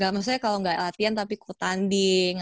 maksudnya kalo gak latihan tapi ketanding